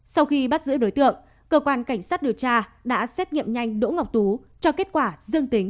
sau khi bắt giữ đối tượng cơ quan cảnh sát điều tra đã xét nghiệm nhanh đỗ ngọc tú cho kết quả dương tính